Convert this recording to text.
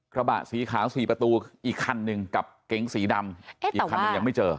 กระบะสีขาวสี่ประตูอีกคันหนึ่งกับเก๋งสีดำอีกคันหนึ่งยังไม่เจอ